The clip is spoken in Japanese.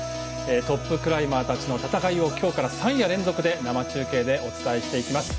トップクライマーたちの戦いを今日から３夜連続で生中継でお伝えしていきます。